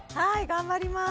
頑張ります。